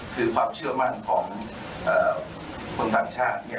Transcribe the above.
คือความเชื่อมั่นของคนต่างชาติ